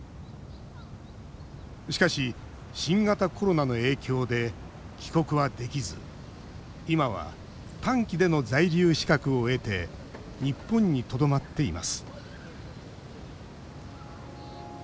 しかし、新型コロナの影響で帰国はできず今は短期での在留資格を得て日本にとどまっています。